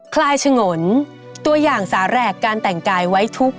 คลายฉงนตัวอย่างสาแหลกการแต่งกายไว้ทุกข์